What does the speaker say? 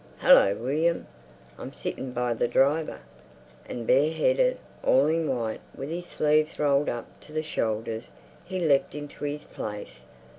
"Hallo, William! I'm sitting by the driver." And bareheaded, all in white, with his sleeves rolled up to the shoulders, he leapt into his place.